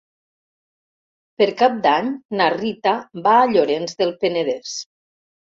Per Cap d'Any na Rita va a Llorenç del Penedès.